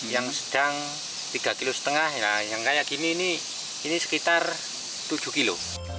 yang sedang tiga kilo setengah yang kayak gini ini sekitar tujuh kilo